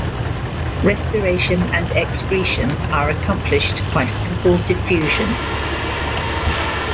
Respiration and excretion are accomplished by simple diffusion.